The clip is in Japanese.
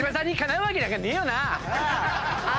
ああ。